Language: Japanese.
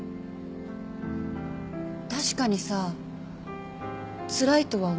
確かにさつらいとは思う。